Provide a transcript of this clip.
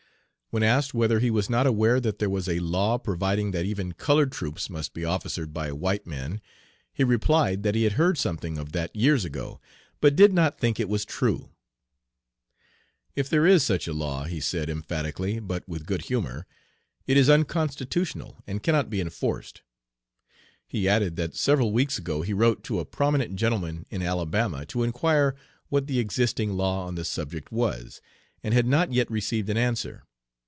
When asked whether he was not aware that there was a law providing that even colored troops must be officered by white men, he replied that he had heard something of that years ago, but did not think it was true. 'If there is such a law,' he said emphatically, but with good humor, 'it is unconstitutional and cannot be enforced.' He added that several weeks ago he wrote to a prominent gentleman in Alabama to inquire what the existing law on the subject was, and had not yet received an answer.